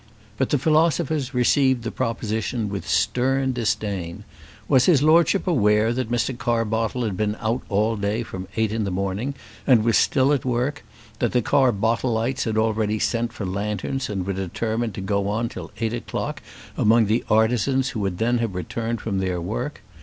But the philosophers received the proposition with stern disdain. Was his Lordship aware that Mr. Carbottle had been out all day from eight in the morning, and was still at work; that the Carbottleites had already sent for lanterns and were determined to go on till eight o'clock among the artisans who would then have returned from their work?